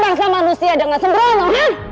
bangsa manusia dengan sembrono